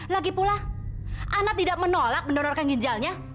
lagipula ana tidak menolak mendonorkan ginjalnya